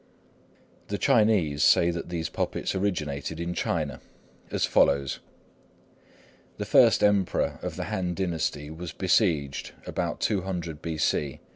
The Chinese say that these puppets originated in China as follows:— The first Emperor of the Han dynasty was besieged, about 200 B.C.